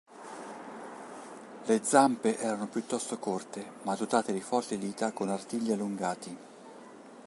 Le zampe erano piuttosto corte, ma dotate di forti dita con artigli allungati.